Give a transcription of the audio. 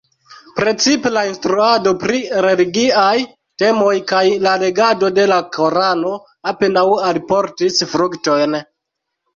Precipe la instruado pri religiaj temoj kaj la legado de Korano apenaŭ alportis fruktojn.